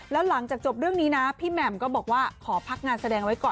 แล้วหลังจากจบเรื่องนี้นะพี่แหม่มก็บอกว่าขอพักงานแสดงไว้ก่อน